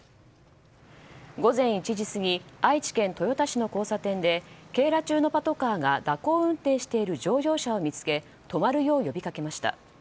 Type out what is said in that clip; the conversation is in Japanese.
午前１時過ぎ愛知県豊田市の交差点で警ら中のパトカーが蛇行運転している乗用車を見つけ止まるよう呼びかけました。